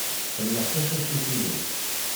Ḥemmleɣ tacacit-inu.